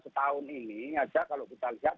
setahun ini aja kalau kita lihat